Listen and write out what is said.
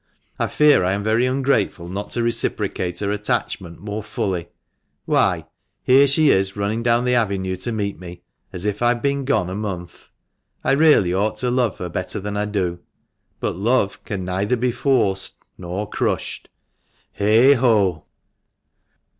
I fear I am very ungrateful not to reciprocate her attachment more fully. Why, here she is running down the avenue to meet me, as if I had been gone a month. I really ought to love her better than I do. But love can neither be forced nor crushed. Heigho